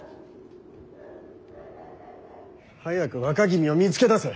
早く若君を見つけ出せ。